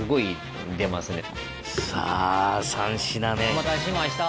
お待たせしました。